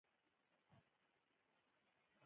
کلي د افغانستان د صادراتو برخه ده.